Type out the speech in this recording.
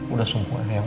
udah sembuh ayam